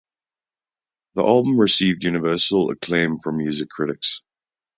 The album received universal acclaim from music critics.